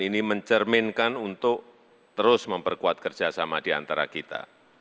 ini mencerminkan untuk terus memperkuat kerjasama di antara kita